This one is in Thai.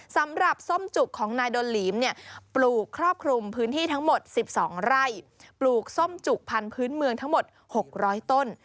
สำหรับส้มจุกของนายโดนหลีมเนี่ยปลูกครอบคลุมพื้นที่ทั้งหมด๑๒ไร่ปลูกส้มจุกพันธุ์เมืองทั้งหมด๖๐๐ต้น